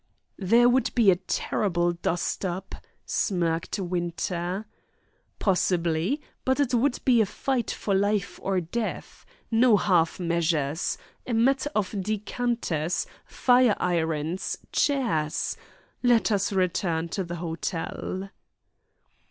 "There would be a terrible dust up," smirked Winter. "Possibly; but it would be a fight for life or death. No half measures. A matter of decanters, fire irons, chairs. Let us return to the hotel."